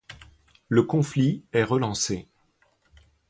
Le conflit est relancé.